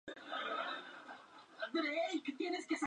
Esta modificación terminó produciendo un "Fire Stallion".